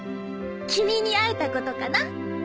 君に会えたことかな。